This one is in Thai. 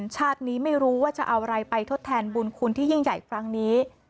ชาตินี้ไม่รู้ว่าจะเอาอะไรไปทดแทนบุญคุณที่ยิ่งใหญ่ครั้งนี้